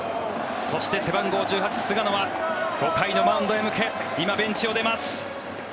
そして、背番号１８、菅野は５回のマウンドへ向け今、ベンチを出ます。